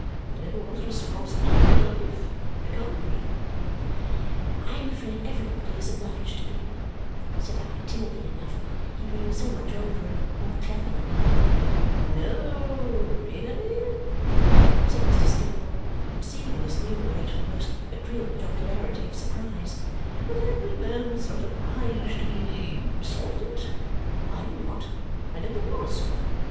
I never was responsible in my life I can't be." "I am afraid everybody is obliged to be," said I timidly enough, he being so much older and more clever than I. "No, really?" said Mr. Skimpole, receiving this new light with a most agreeable jocularity of surprise. "But every man's not obliged to be solvent? I am not. I never was.